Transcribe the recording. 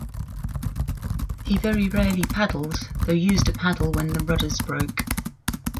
He very rarely paddled, though used a paddle when rudders broke.